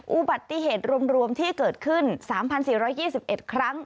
อุบัติเหตุรวมที่เกิดขึ้น๓๔๒๑ครั้ง